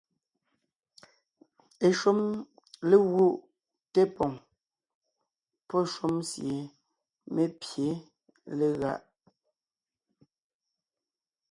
Eshúm légúʼ té poŋ pɔ́ shúm sie mé pye legáʼ.